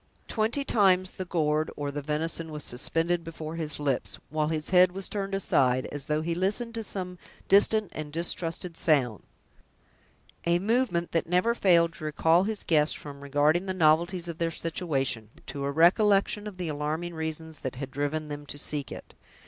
Twenty times the gourd or the venison was suspended before his lips, while his head was turned aside, as though he listened to some distant and distrusted sounds—a movement that never failed to recall his guests from regarding the novelties of their situation, to a recollection of the alarming reasons that had driven them to seek it.